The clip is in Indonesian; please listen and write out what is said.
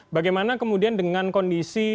bagaimana kemudian dengan kondisi